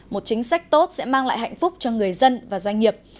một chính sách tốt sẽ mang lại hạnh phúc cho người dân và doanh nghiệp